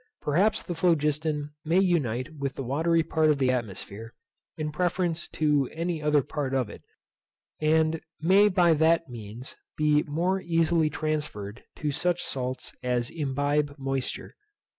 Perhaps the phlogiston may unite with the watery part of the atmosphere, in preference to any other part of it, and may by that means be more easily transferred to such salts as imbibe moisture.